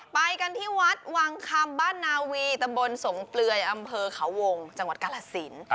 ไปกันที่วัดวังคำบ้านนาวีตำบลสงเปลือยอำเภอเขาวงจังหวัดกาลสิน